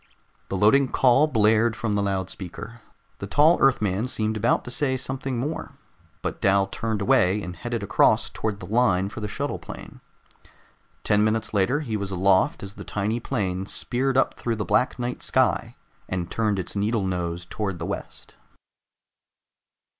The loading call blared from the loudspeaker. The tall Earthman seemed about to say something more, but Dal turned away and headed across toward the line for the shuttle plane. Ten minutes later, he was aloft as the tiny plane speared up through the black night sky and turned its needle nose toward the west.